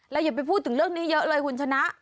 อย่าไปพูดถึงเรื่องนี้เยอะเลยคุณชนะ